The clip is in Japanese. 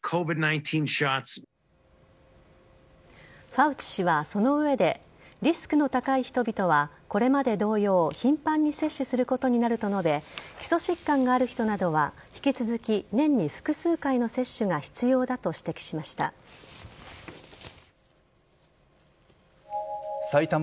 ファウチ氏はその上でリスクの高い人々はこれまで同様頻繁に接種することになると述べ基礎疾患のある人などは引き続き年に複数回の接種が必要だと指摘しました。